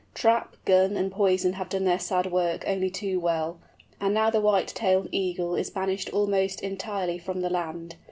Trap, gun, and poison have done their sad work only too well, and now the White tailed Eagle is banished almost entirely from the land.